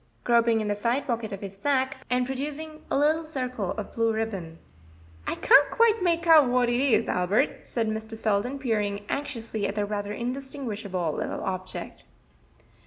groping in the side pocket of his sacque, and producing a little circle of blue ribbon. "I can't quite make out what it is, Albert," said Mr. Selden, peering anxiously at the rather indistinguishable little object.